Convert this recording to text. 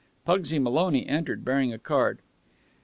Pugsy Maloney entered, bearing a card.